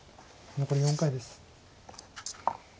残り４回です。